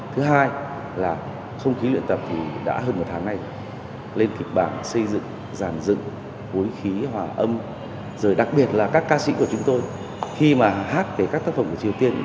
thứ hai là không khí luyện tập thì đã hơn một tháng nay lên kịch bản xây dựng giàn dựng khối khí hòa âm rồi đặc biệt là các ca sĩ của chúng tôi khi mà hát về các tác phẩm của triều tiên